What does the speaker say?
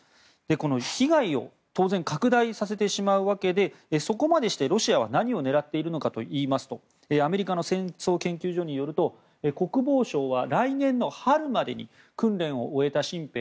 この被害を当然、拡大させてしまうわけでそこまでしてロシアは何を狙っているかといいますとアメリカの戦争研究所によると国防省は来年の春までに訓練を終えた新兵